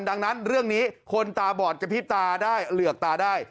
ดังนั้นเรื่องนี้คนตาบอดกระพริบตาได้เหลือกตาได้